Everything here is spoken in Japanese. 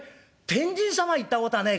天神様行ったことはねえか？